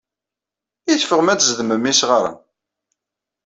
I teffɣem ad d-tzedmem isɣaren?